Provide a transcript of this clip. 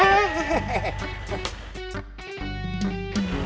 masih ada yang mau berbicara